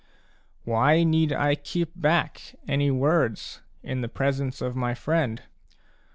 Why need I keep back any words in the presence of my friend